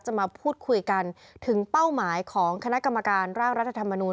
มาพูดคุยกันถึงเป้าหมายของคณะกรรมการร่างรัฐธรรมนูล